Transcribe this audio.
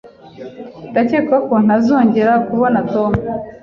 Ndakeka ko ntazongera kubona Tom